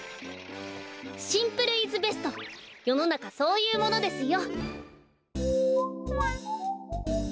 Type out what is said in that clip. シンプルイズベストよのなかそういうものですよ。